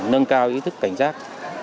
nâng cao ý thức cảnh sát